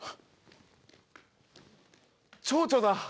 チョウチョだ。